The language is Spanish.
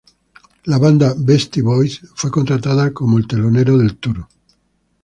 La banda Beastie Boys fue contratada como el telonero del "tour".